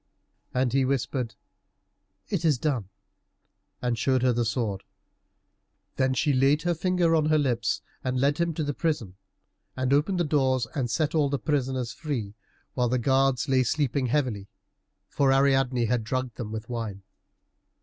And he whispered, "It is done," and showed her the sword. Then she laid her finger on her lips, and led him to the prison and opened the doors, and set all the prisoners free, while the guards lay sleeping heavily, for Ariadne had drugged them with wine.